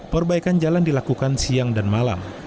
perbaikan jalan dilakukan siang dan malam